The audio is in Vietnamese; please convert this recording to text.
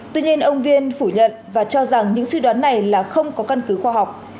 tuy nhiên ông viên phủ nhận và cho rằng những suy đoán này là không có căn cứ khoa học